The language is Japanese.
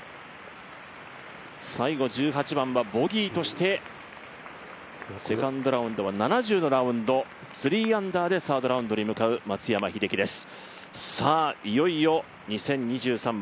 最後、１８番はボギーとしてセカンドラウンドは７０のラウンド、３アンダーでサードラウンドに向かう松山英樹です。